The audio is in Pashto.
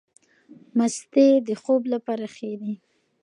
مستې د خوب لپاره ښې دي.